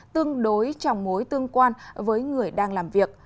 tương đối trọng mối tương quan với người đang làm việc